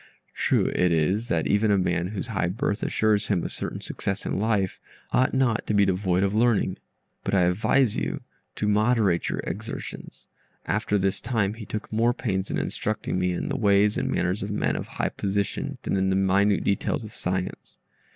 True it is, that even a man whose high birth assures him a certain success in life, ought not to be devoid of learning, but I advise you to moderate your exertions. After this time, he took more pains in instructing me in the ways and manners of men of high position than in the minute details of science.